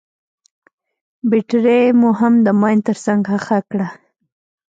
بټرۍ مو هم د ماين تر څنګ ښخه کړه.